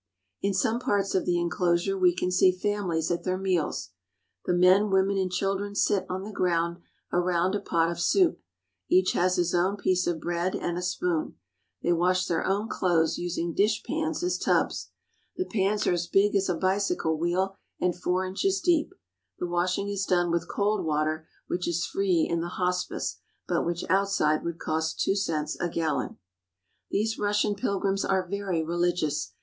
In some parts of the inclosure we can see families at their meals. The men, women, and children sit on the ground around a pot of soup. Each has his own piece of bread and a spoon. They wash their own clothes, using dishpans as tubs. The pans are as big as a bicycle wheel and four inches deep. The washing is done with cold water, which is free in the hospice, but which outside would cost two cents a gallon. These Russian pilgrims are very religious.